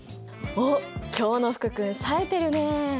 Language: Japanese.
おっ今日の福君さえてるね。